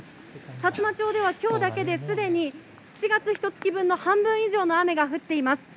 さつま町ではきょうだけですでに７月ひとつき分の半分以上の雨が降っています。